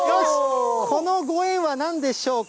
このご縁はなんでしょうか。